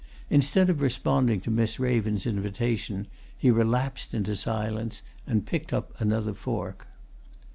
Instead of responding to Miss Raven's invitation he relapsed into silence, and picked up another fork.